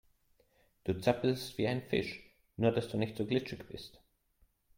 Du zappelst wie ein Fisch, nur dass du nicht so glitschig bist.